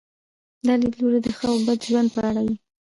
دا لیدلوری د ښه او بد ژوند په اړه وي.